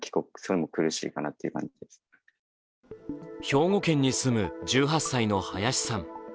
兵庫県に住む１８歳の林さん。